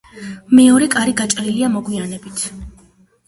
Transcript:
მეორე კარი გაჭრილია მოგვიანებით.